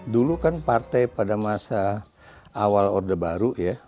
dulu kan partai pada masa awal orde baru ya